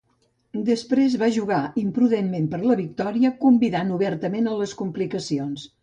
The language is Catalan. Després va jugar imprudentment per la victòria, convidant obertament a les complicacions.